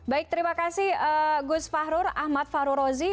baik terima kasih gus fahrur ahmad fahrurozi